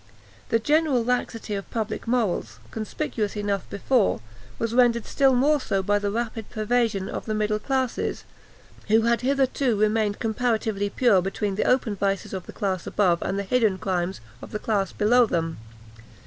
The general laxity of public morals, conspicuous enough before, was rendered still more so by its rapid pervasion of the middle classes, who had hitherto remained comparatively pure between the open vices of the class above and the hidden crimes of the class below them.